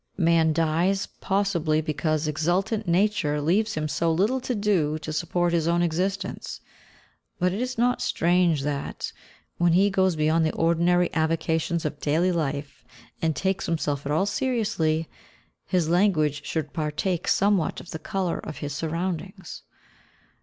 Man dies, possibly because exultant nature leaves him so little to do to support his own existence; but it is not strange that, when he goes beyond the ordinary avocations of daily life, and takes himself at all seriously, his language should partake somewhat of the colour of his surroundings.